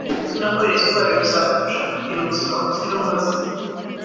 unywe amaz menshi ndetse unakore siporo bizagufasha kugira ubuzima buzira umuze